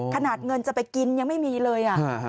ขนาดเงินจะไปกินยังไม่มีเลย